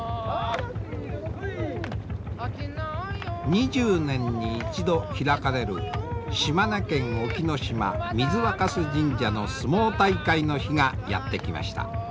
２０年に一度開かれる島根県隠岐島水若酢神社の相撲大会の日がやって来ました。